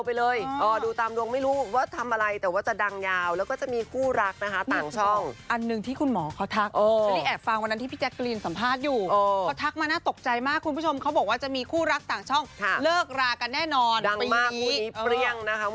พี่เบิร์ดจะเป็นอย่างไรไปฟังอาจารย์โจ๊ะไลฟ์โค้ชเปิดใจกันเลยค่ะ